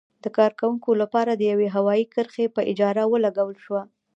د کارکوونکو لپاره د یوې هوايي کرښې په اجاره ولګول شوه.